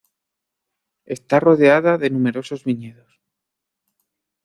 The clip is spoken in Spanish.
Está rodeada de numerosos viñedos.